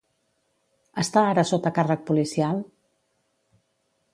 Està ara sota càrrec policial?